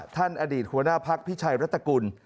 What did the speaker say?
ท่านอดีตหัวหน้าภักดิ์พิชัยรัฐกุล